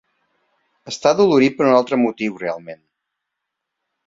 Està dolorit per un altre motiu realment.